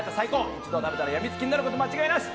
一度食べたらやみつきになること間違いなし。